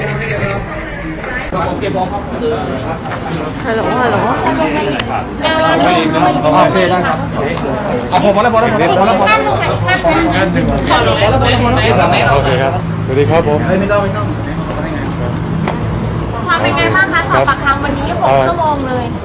แล้วมีการเข้าที่อื่นไปอีก